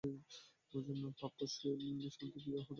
পাপ্পু সে আমাদের শান্তি প্রিয়া হতে পারে না, সে মোটেই শান্তির মতো নয়।